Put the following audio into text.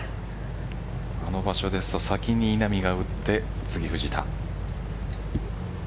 あの場所で先に稲見が打って次、藤田。